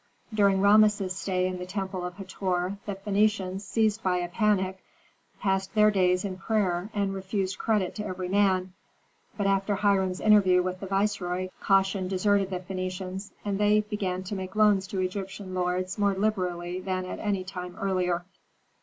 During Rameses' stay in the temple of Hator the Phœnicians, seized by a panic, passed their days in prayer and refused credit to every man. But after Hiram's interview with the viceroy caution deserted the Phœnicians, and they began to make loans to Egyptian lords more liberally than at any time earlier.